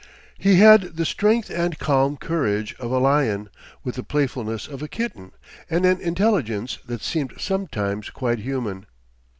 He had the strength and calm courage of a lion, with the playfulness of a kitten, and an intelligence that seemed sometimes quite human.